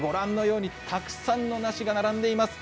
たくさんの梨が並んでいます。